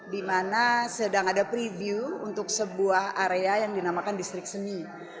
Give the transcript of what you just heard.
di mana sedang ada preview untuk sebuah area yang dinamakan distrik seni